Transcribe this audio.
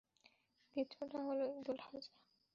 দ্বিতীয়টি হলো ঈদুল আযহা।